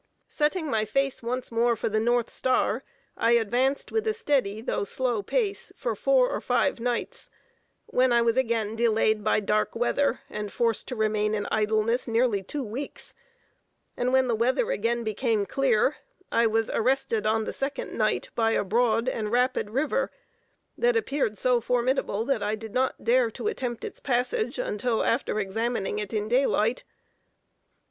Setting my face once more for the north star, I advanced with a steady, though slow pace, for four or five nights, when I was again delayed by dark weather, and forced to remain in idleness nearly two weeks; and when the weather again became clear, I was arrested on the second night by a broad and rapid river, that appeared so formidable that I did not dare to attempt its passage until after examining it in daylight.